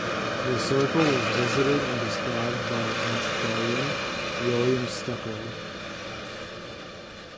The circle was visited and described by the antiquarian William Stukeley.